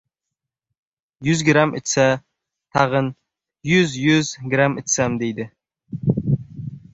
Yuz gramm ichsa, tag‘in yuz-yuz gramm ichsam, deydi.